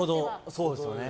そうですよね。